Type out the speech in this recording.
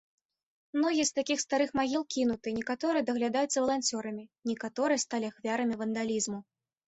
Многія з такіх старых магіл кінуты, некаторыя даглядаюцца валанцёрамі, некаторыя сталі ахвярамі вандалізму.